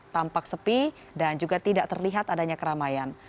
tampak sepi dan juga tidak terlihat adanya keramaian